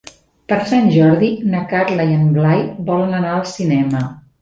Per Sant Jordi na Carla i en Blai volen anar al cinema.